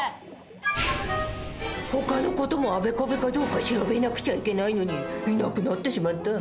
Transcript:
ほかの事もあべこべかどうか調べなくちゃいけないのにいなくなってしまった。